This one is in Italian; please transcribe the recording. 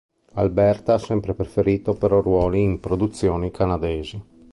Alberta ha sempre preferito però ruoli in produzioni canadesi.